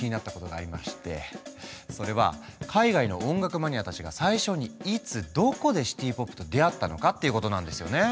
それは海外の音楽マニアたちが最初にいつどこでシティ・ポップと出会ったのかっていうことなんですよね。